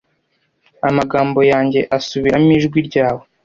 amagambo yanjye asubiramo ijwi ryawe